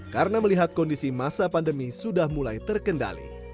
karena melihat kondisi masa pandemi sudah mulai terkendali